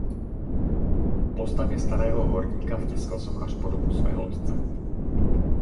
Postavě starého horníka vtiskl sochař podobu svého otce.